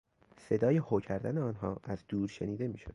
صدای هو کردن آنها از دور شنیده میشد.